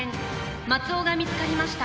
松尾が見つかりました。